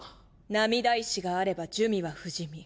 涙石があれば珠魅は不死身。